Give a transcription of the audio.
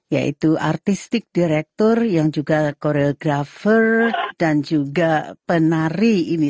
yaitu artistik direktur yang juga koreografer dan juga penari ini